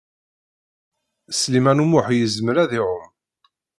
Sliman U Muḥ yezmer ad iɛum.